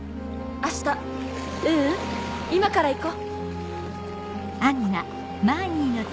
明日ううん今から行こう。